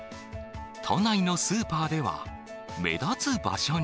都内のスーパーでは、目立つ場所に。